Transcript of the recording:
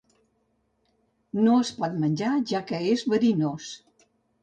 No es pot menjar, ja que és verinós.